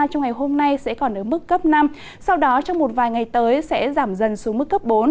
trong ngày hôm nay sẽ còn ở mức cấp năm sau đó trong một vài ngày tới sẽ giảm dần xuống mức cấp bốn